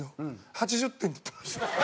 ８０点って言ってました。